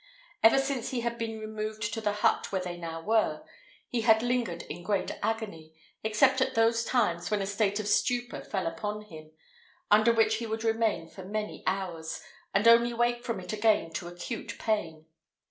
Ever since he had been removed to the hut where they now were, he had lingered in great agony, except at those times when a state of stupor fell upon him, under which he would remain for many hours, and only wake from it again to acute pain.